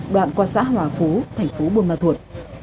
đoạn qua xã hòa phú thành phố buôn ma thuột